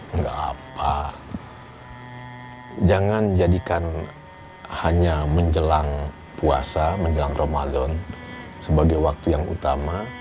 enggak apa jangan jadikan hanya menjelang puasa menjelang ramadan sebagai waktu yang utama